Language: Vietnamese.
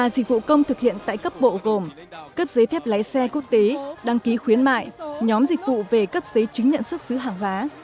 ba dịch vụ công thực hiện tại cấp bộ gồm cấp giấy phép lái xe quốc tế đăng ký khuyến mại nhóm dịch vụ về cấp giấy chứng nhận xuất xứ hàng hóa